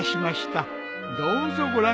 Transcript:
どうぞご覧ください。